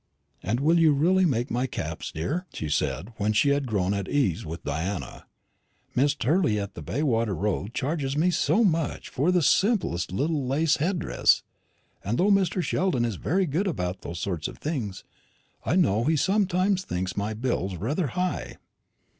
"And will you really make my caps, dear?" she said, when she had grown at her ease with Diana. "Miss Terly in the Bayswater road charges me so much for the simplest little lace head dress; and though Mr. Sheldon is very good about those sort of things, I know he sometimes thinks my bills rather high."